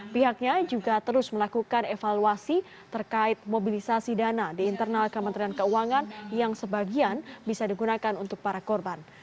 pihaknya juga terus melakukan evaluasi terkait mobilisasi dana di internal kementerian keuangan yang sebagian bisa digunakan untuk para korban